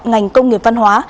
ngành công nghiệp văn hóa